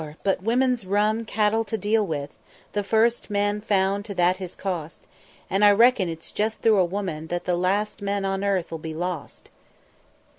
but women's rum cattle to deal with, the first man found that to his cost; And I reckon it's just through a woman, that the last man on earth'll be lost."